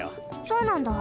そうなんだ。